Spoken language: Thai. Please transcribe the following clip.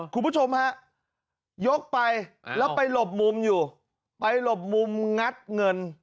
คุณผู้ชมฮะยกไปแล้วไปหลบมุมอยู่ไปหลบมุมงัดเงิน